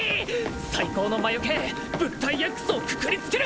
最高の魔よけ物体Ｘをくくりつける！